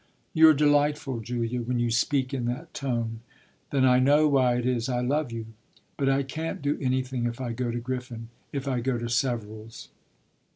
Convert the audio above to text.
"You're delightful, Julia, when you speak in that tone then I know why it is I love you. But I can't do anything if I go to Griffin, if I go to Severals."